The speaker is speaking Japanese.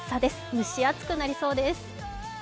蒸し暑くなりそうです。